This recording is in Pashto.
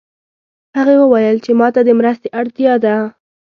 هغې وویل چې ما ته د مرستې اړتیا ده